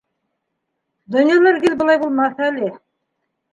Донъялар гел былай булмаҫ әле.